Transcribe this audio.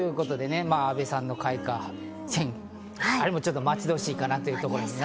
阿部さんの開花宣言、あれも待ち遠しいかなというところです。